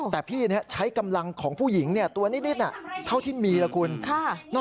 แต่พี่ใช้กำลังของผู้หญิงตัวนิดเท่าที่มีล่ะคุณ